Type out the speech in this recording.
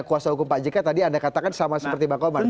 kuasa hukum pak jk tadi anda katakan sama seperti bang komar